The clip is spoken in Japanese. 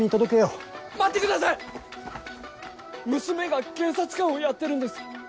娘が警察官をやってるんです